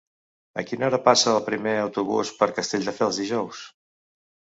A quina hora passa el primer autobús per Castelldefels dijous?